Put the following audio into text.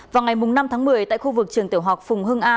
vào ngày năm tháng một mươi tại khu vực trường tiểu học phùng hưng a